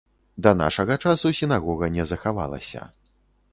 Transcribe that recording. Да нашага часу сінагога не захавалася.